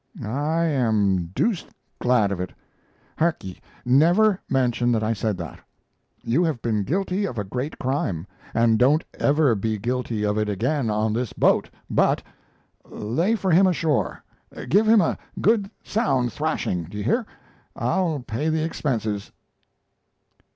"I am deuced glad of it! Hark ye, never mention that I said that. You have been guilty of a great crime; and don't ever be guilty of it again on this boat, but lay for him ashore! Give him a good sound thrashing; do you hear? I'll pay the expenses."